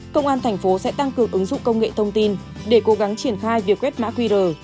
công an thành phố sẽ tăng cường ứng dụng công nghệ thông tin để cố gắng triển khai việc quét mã qr